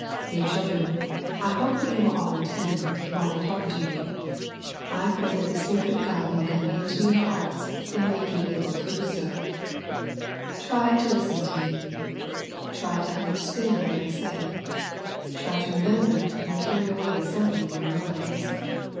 Dear children, I hope you will all attend, while I talk to you. I ijt^.^ "feaX '«^^. "^ssg^^s. ^ 112 SERMONS FOR CHILDREN. God may come into your hearts, and make you able to do so. Try to listen to me; try to understand what I say; try to remember and carry away something in your minds.